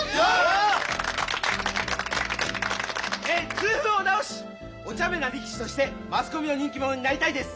痛風を治しおちゃめな力士としてマスコミの人気者になりたいです。